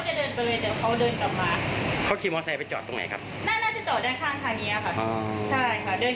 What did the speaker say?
แล้วหนูก็ล็อกตู้หนูก็เลยจับโทรศัพท์โทรหาดับเพิง